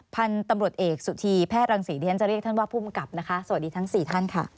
พันธุ์ตำรวจเอกสุธีแพทย์รังศรีที่ฉันจะเรียกท่านว่าภูมิกับนะคะสวัสดีทั้ง๔ท่านค่ะ